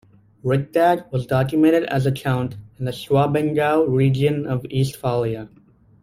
Rikdag was documented as a count in the Schwabengau region of Eastphalia.